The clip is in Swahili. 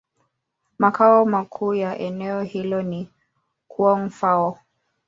Makao makuu ya eneo hilo ni Koun-Fao.